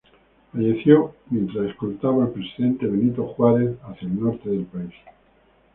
Falleció mientras escoltaba al presidente Benito Juárez hacia el norte del país.